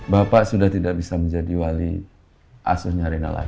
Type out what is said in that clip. bapak sudah tidak bisa menjadi wali asusnya rena lagi